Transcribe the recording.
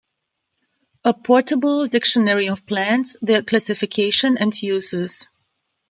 A portable dictionary of plants, their classification and uses".